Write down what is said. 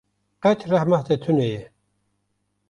Qet rehma te tune ye.